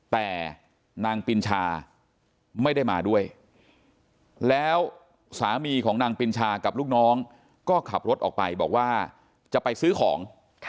แต่นางปินชาไม่ได้มาด้วยแล้วสามีของนางปินชากับลูกน้องก็ขับรถออกไปบอกว่าจะไปซื้อของ